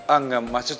ah gak maksudnya